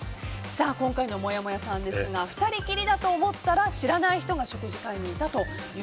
今回のもやもやさんですが２人きりだと思ったら知らない人が食事会にいたと。